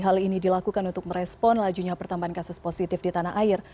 hal ini dilakukan untuk merespon lajunya pertambahan kasus positif di tanah air